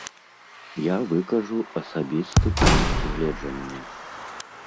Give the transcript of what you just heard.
Я выкажу асабісты пункт гледжання.